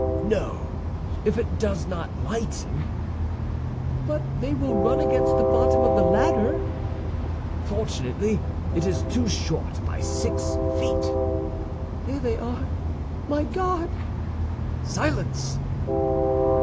"No, if it does not lighten." "But they will run against the bottom of the ladder." "Fortunately it is too short by six feet." "Here they are! My God!" "Silence!"